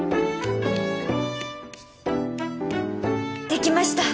できました。